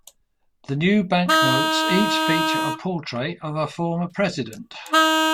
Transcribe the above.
The new banknotes each feature a portrait of a former president.